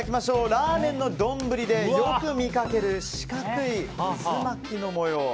ラーメンの丼でよく見かける四角い渦巻きの模様。